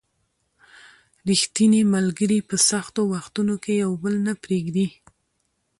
ریښتیني ملګري په سختو وختونو کې یو بل نه پرېږدي